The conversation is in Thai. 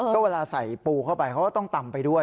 ก็เวลาใส่ปูเข้าไปเขาก็ต้องตำไปด้วย